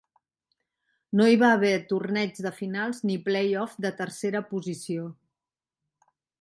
No hi va haver torneig de finals ni playoff de tercera posició.